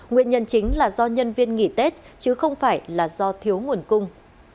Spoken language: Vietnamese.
nguyên nhân chính là do nhân viên nghỉ tết chứ không phải là do thiếu nguồn cung